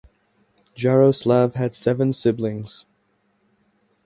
Jaroslav had seven siblings.